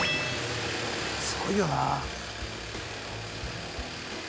「すごいよな」